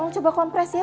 coba kompres ya